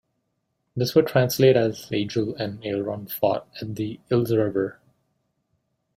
This would translate as "Aigil and Ailrun fought at the Ilz river".